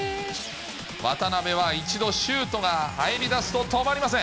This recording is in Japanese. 渡邉は、一度シュートが入りだすと止まりません。